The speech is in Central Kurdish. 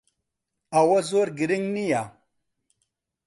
ئەوە زۆر گرنگ نییە.